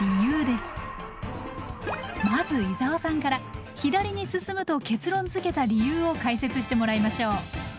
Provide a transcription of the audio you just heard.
まず伊沢さんから左に進むと結論づけた理由を解説してもらいましょう。